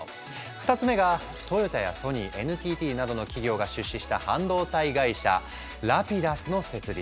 ２つ目がトヨタやソニーＮＴＴなどの企業が出資した半導体会社「ラピダス」の設立。